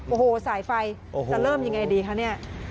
โอ้โฮสายไฟจะเริ่มอย่างไรดีคะนี่